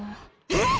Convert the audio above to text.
えっ！